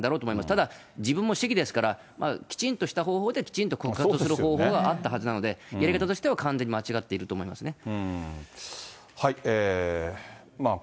ただ自分も市議ですから、きちんとした方法で、きちんと告発する方法があったはずなので、やり方としては完全に間違っていると思いますね。